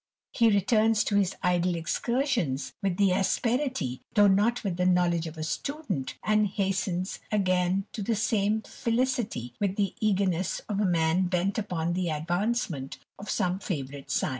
He returns from his idle excursions with the asperity, though not with the knowledge of a student, and hastens again to the same felicity with the eagerness of » man bent upon the advancement of some favourite science.